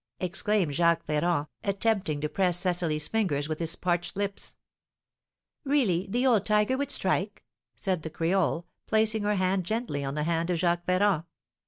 exclaimed Jacques Ferrand, attempting to press Cecily's fingers with his parched lips. "Really, the old tiger would strike?" said the creole, placing her hand gently on the hand of Jacques Ferrand.